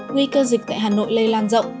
nguy cơ dịch tại hà nội lây lan rộng